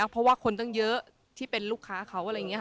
เพราะว่าคนตั้งเยอะที่เป็นลูกค้าเขา